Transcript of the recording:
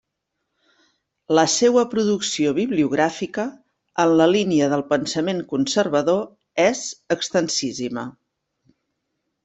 La seua producció bibliogràfica, en la línia del pensament conservador, és extensíssima.